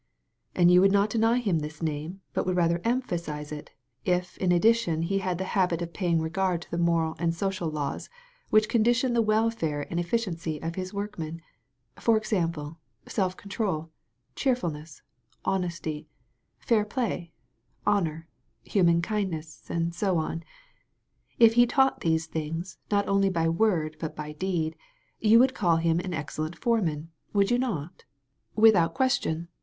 "And you would not deny him this name, but would rather emphasize it, if in addition he had the habit of paying regard to the moral and social laws which condition the welfare and efficiency of his workmen; for example, self control, cheerful ness, honesty, fair play, honor, human kindness,, and so on. If he taught these things, not only by word but by deed, you would call him an excellent foreman, would you not?" 191 THE VALLEY OF VISION "Without a question.